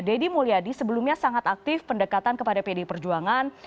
deddy mulyadi sebelumnya sangat aktif pendekatan kepada pdi perjuangan